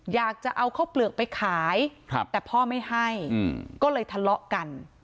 อยากจะเอาข้าวเปลือกไปขายแต่พ่อไม่ให้ก็เลยทะเลาะกัน